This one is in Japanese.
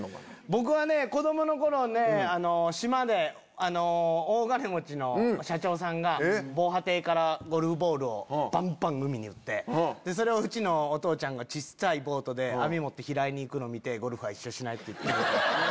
僕はね子供の頃島で大金持ちの社長さんが防波堤からゴルフボールをバンバン海に打ってそれをうちのお父ちゃんが小っさいボートで網持って拾いに行くの見て。